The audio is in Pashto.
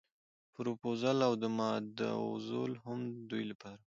پروپوزل او ماداوزل هم د دوی لپاره.